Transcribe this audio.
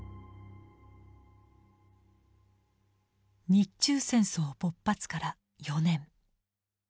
日中戦争勃発から４年。